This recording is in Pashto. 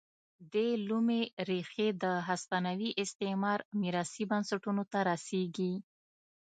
دې لومې ریښې د هسپانوي استعمار میراثي بنسټونو ته رسېږي.